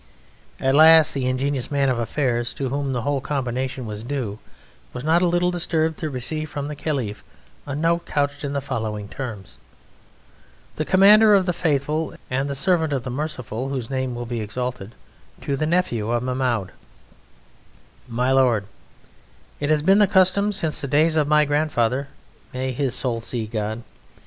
At last the ingenious man of affairs, to whom the whole combination was due, was not a little disturbed to receive from the Caliph a note couched in the following terms: "The Commander of the Faithful and the Servant of the Merciful whose name be exalted, to the Nephew of Mahmoud: "My Lord: "It has been the custom since the days of my grandfather (May his soul see God!)